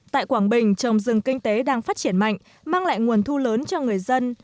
tại quảng bình trồng rừng kinh tế đang phát triển mạnh mang lại nguồn thu lớn cho người dân